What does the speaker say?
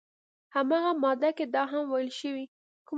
همغه ماده کې دا هم ویل شوي